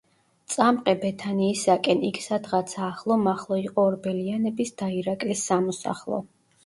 "წამყე ბეთანიისაკენ იქ სადღაცა ახლო მახლო იყო ორბელიანების და ირაკლის სამოსახლო"